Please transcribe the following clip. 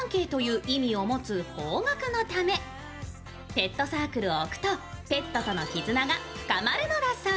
ペットサークルを置くとペットとの絆が深まるのだそう。